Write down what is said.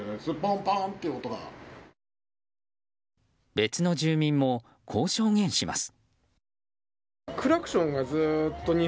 別の住民も、こう証言します。